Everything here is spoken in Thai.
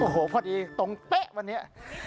โอ้โหพอดีตรงเป๊ะวันนี้